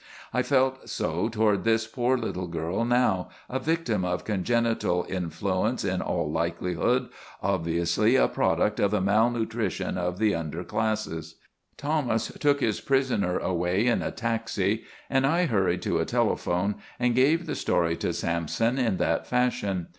I felt so toward this poor girl now, a victim of congenital influence in all likelihood; obviously a product of the malnutrition of the under classes. Thomas took his prisoner away in a taxi and I hurried to a telephone and gave the story to Sampson in that fashion.